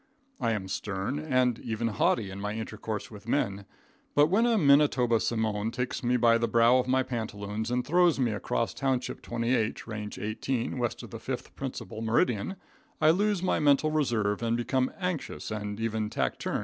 I am stern and even haughty in my intercourse with men, but when a Manitoba simoon takes me by the brow of my pantaloons and throws me across Township 28, Range 18, West of the 5th Principal Meridian, I lose my mental reserve and become anxious and even taciturn.